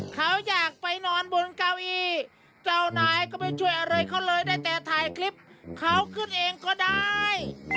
เขาอยากไปนอนบนเก้าอี้เจ้านายก็ไปช่วยอะไรเขาเลยได้แต่ถ่ายคลิปเขาขึ้นเองก็ได้